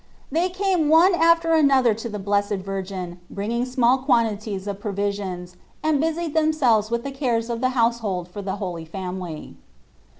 They came one after another to the Blessed Virgin, bringing small quantities of provisions, and busied themselves with the cares of the household for the Holy Family.